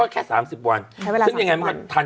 ก็แค่๓๐วัน